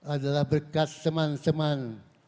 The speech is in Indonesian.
adalah berkat teman teman